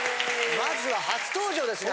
まずは初登場ですね